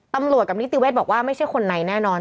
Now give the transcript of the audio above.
ตำรวจกับนิติเวศบอกว่าไม่ใช่คนในแน่นอน